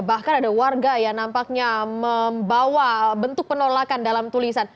bahkan ada warga yang nampaknya membawa bentuk penolakan dalam tulisan